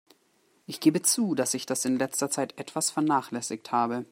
Ich gebe zu, dass ich das in letzter Zeit etwas vernachlässigt habe.